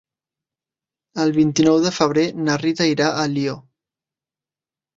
El vint-i-nou de febrer na Rita irà a Alió.